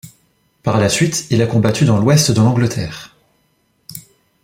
Par la suite, il a combattu dans l'ouest de l'Angleterre.